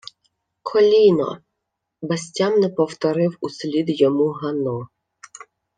— Коліно, — безтямно повторив услід йому Гано.